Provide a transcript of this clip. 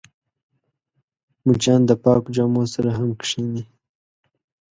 مچان د پاکو جامو سره هم کښېني